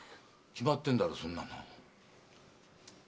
決まってんだろそんなもん。